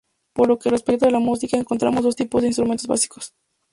Por lo que respecta a la música, encontramos dos tipos de instrumentos básicos.